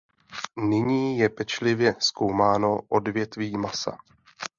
Nyní je pečlivě zkoumáno odvětví masa.